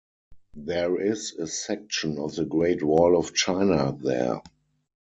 There is a section of the Great Wall of China there.